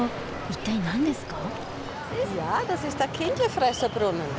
一体何ですか？